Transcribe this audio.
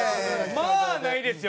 まあないですよ